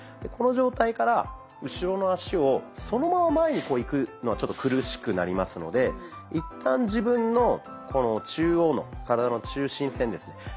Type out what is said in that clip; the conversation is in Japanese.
この状態から後ろの足をそのまま前にこういくのはちょっと苦しくなりますので一旦自分の中央の体の中心線ですね